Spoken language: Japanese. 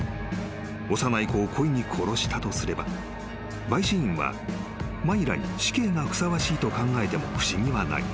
［幼い子を故意に殺したとすれば陪審員はマイラに死刑がふさわしいと考えても不思議はない。